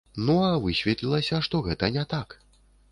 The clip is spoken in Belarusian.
Ну а высветлілася, што гэта не так.